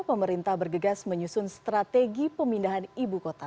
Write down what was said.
pemerintah bergegas menyusun strategi pemindahan ibu kota